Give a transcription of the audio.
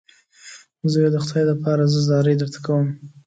زویه د خدای دپاره زه زارۍ درته کوم.